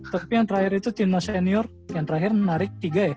tapi yang terakhir itu timnas senior yang terakhir menarik tiga ya